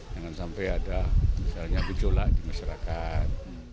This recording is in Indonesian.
jangan sampai ada misalnya gejolak di masyarakat